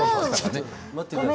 待ってください。